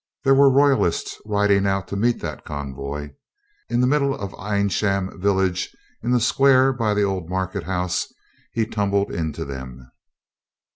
There were Royalists riding out to meet that convoy. In the middle of Eynsham village, in the square by the old market house, he tumbled into them.